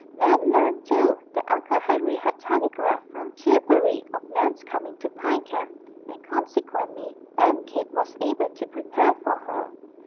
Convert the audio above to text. Nan learned, too, that Uncle Henry had telegraphed from Tillbury of Nan's coming to Pine Camp, and consequently Aunt Kate was able to prepare for her.